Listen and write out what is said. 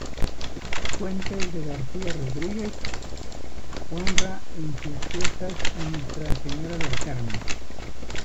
Puentes de García Rodríguez honra en sus fiestas a Nuestra Señora del Carmen.